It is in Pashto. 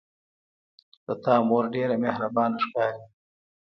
د تا مور ډیره مهربانه ښکاري